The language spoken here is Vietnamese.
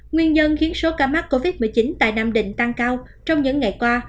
nguyên nhân khiến số ca mắc covid một mươi chín tại nam định tăng cao trong những ngày qua